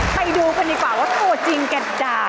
ไปดูกันดีกว่าว่าตัวจริงแก่